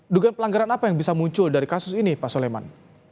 dugaan pelanggaran apa yang bisa muncul dari kasus ini pak soleman